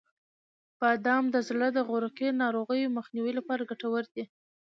• بادام د زړه د عروقی ناروغیو مخنیوي لپاره ګټور دي.